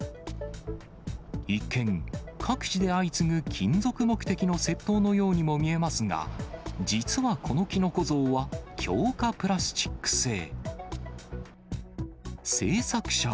一見、各地で相次ぐ金属目的の窃盗のようにも見えますが、実はこのキノコ像は強化プラスチック製。